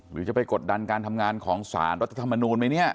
หรือจะไปกดดันการทำงานของสารรัฐธรรมนูลไหมเนี่ย